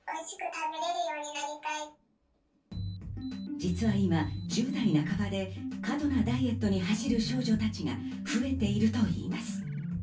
実は今、１０代半ばで過度なダイエットに走る少女たちが増えているといいます。